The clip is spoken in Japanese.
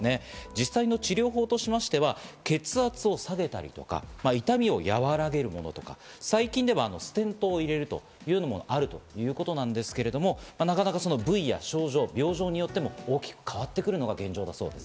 実際の治療法としましては血圧を下げたりとか、痛みを和らげるものとか、最近ではステントを入れるというものもあるということなんですけど、なかなか部位や症状、病状によっても大きく変わってくるのが現状だそうです。